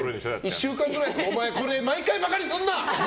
１週間くらいってお前、毎回バカにするな！